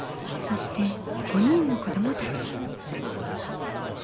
そして５人の子どもたち。